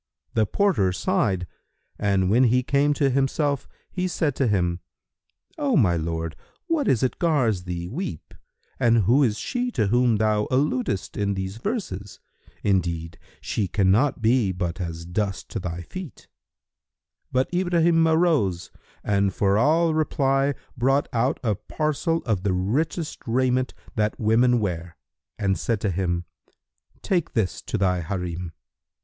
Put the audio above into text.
The porter sighed, and when he came to himself, he said to him, "O my lord, what is it gars thee weep and who is she to whom thou alludest in these verses? Indeed, she cannot be but as dust to thy feet." But Ibrahim arose and for all reply brought out a parcel of the richest raiment that women wear and said to him, "Take this to thy Harim."